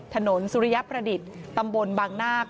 สุริยประดิษฐ์ตำบลบางนาค